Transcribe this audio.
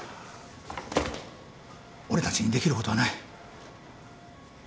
俺たちにできることはない。